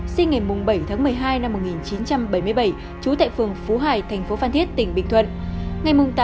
sinh ngày bảy tháng một mươi hai năm một nghìn chín trăm bảy mươi bảy trú tại phường phú hải thành phố phan thiết tỉnh bình thuận